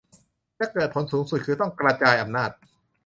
จะเกิดผลสูงสุดคือต้องกระจายอำนาจ